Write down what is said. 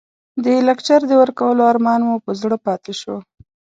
د لکچر د ورکولو ارمان مو په زړه پاتې شو.